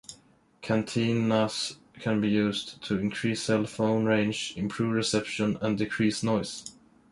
Cantennas can be used to increase cell phone range, improve reception, and decrease noise.